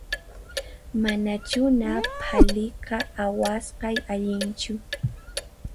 Manachuna phalika awasqay allinchu